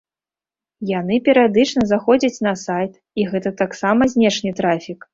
Яны перыядычна заходзяць на сайт і гэта таксама знешні трафік.